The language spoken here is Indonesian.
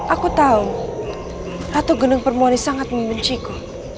aku tahu ratu gendeng permoni sangat membenciku